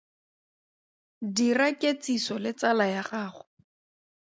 Dira ketsiso le tsala ya gago.